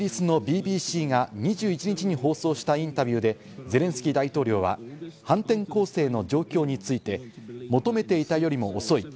イギリスのＢＢＣが２１日に放送したインタビューで、ゼレンスキー大統領は反転攻勢の状況について、求めていたよりも遅い。